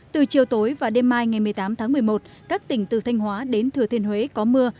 từ chiều tối và đêm mai ngày một mươi tám tháng một mươi một các tỉnh từ thanh hóa đến thừa thiên huế có mưa